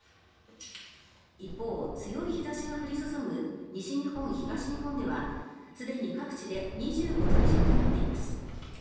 一方、強い日差しが降り注ぐ西日本、東日本ではすでに各地で２５度以上となっています。